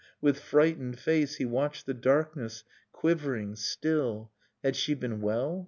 — ^With frightened face He watched the darkness, — quivering, still; Had she been well?